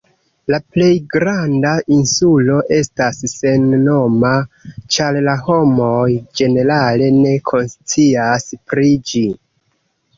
La plej granda insulo estas sennoma, ĉar la homoj ĝenerale ne konscias pri ĝi.